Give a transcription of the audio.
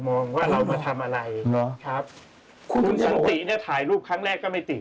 มองว่าเรามาทำอะไรเนอะครับคุณสันติเนี่ยถ่ายรูปครั้งแรกก็ไม่ติด